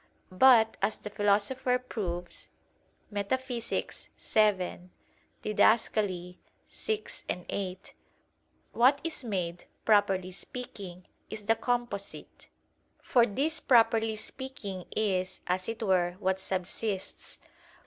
But, as the Philosopher proves (Metaph. vii, Did. vi, 8), what is made, properly speaking, is the composite: for this properly speaking, is, as it were, what subsists.